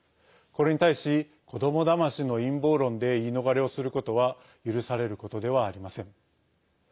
これに対し子どもだましの陰謀論で言い逃れをすることは許されることではありません。